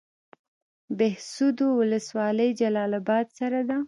بهسودو ولسوالۍ جلال اباد سره ده؟